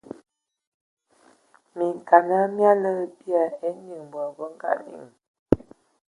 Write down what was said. Minkana mia lədə bia enyiŋ bod bə nga nyiŋ.